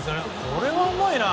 これはうまいな！